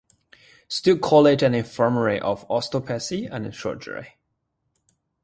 Still College and Infirmary of Osteopathy and Surgery.